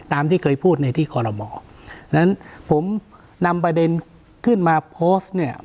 ที่เคยพูดในที่คอลโมดังนั้นผมนำประเด็นขึ้นมาโพสต์เนี่ย